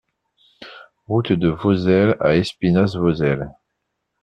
Route de Vozelle à Espinasse-Vozelle